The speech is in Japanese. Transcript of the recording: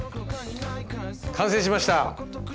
完成しました！